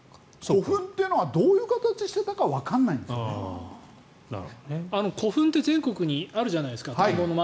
古墳というのはどういう形をしていたかは古墳って全国にあるじゃないですか。